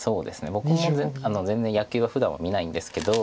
僕も全然野球はふだんは見ないんですけど。